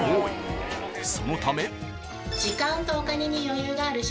［そのため］